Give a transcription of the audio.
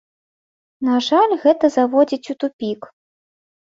На жаль, гэта заводзіць у тупік.